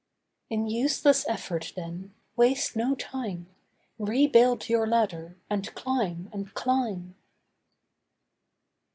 In useless effort, then, waste no time; Rebuild your ladder, and climb and climb.